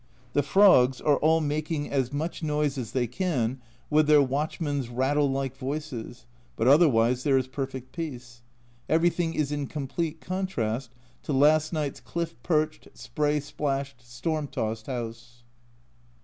The frogs are all making as (c 128) K 130 A Journal from Japan much noise as they can with their watchman's rattle like voices, but otherwise there is perfect peace ; everything is in complete contrast to last night's cliff perched, spray splashed, storm tossed house.